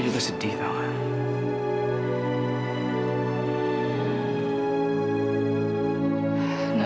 ilih tetap saja ke tempat lain